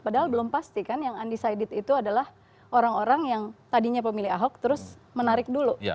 padahal belum pasti kan yang undecided itu adalah orang orang yang tadinya pemilih ahok terus menarik dulu